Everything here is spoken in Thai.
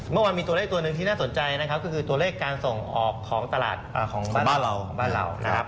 เมื่อวานมีตัวเลขตัวหนึ่งที่น่าสนใจนะครับก็คือตัวเลขการส่งออกของตลาดของบ้านเราของบ้านเรานะครับ